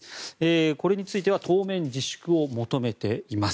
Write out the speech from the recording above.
これについては当面、自粛を求めています。